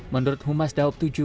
menurut humas daob tujuh